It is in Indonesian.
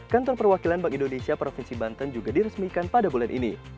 kantor perwakilan bank indonesia provinsi banten juga diresmikan pada bulan ini